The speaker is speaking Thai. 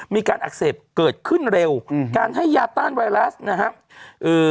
มีการอักเสบเกิดขึ้นเร็วอืมการให้ยาต้านไวรัสนะครับเอ่อ